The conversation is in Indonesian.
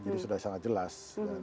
jadi sudah sangat jelas